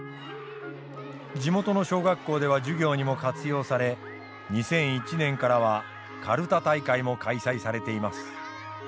地元の小学校では授業にも活用され２００１年からはかるた大会も開催されています。